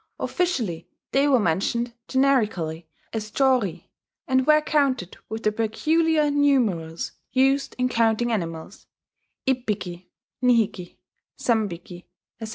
Officially they were mentioned generically as chori, and were counted with the peculiar numerals used in counting animals: ippiki, nihiki, sambiki, etc.